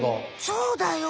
そうだよ。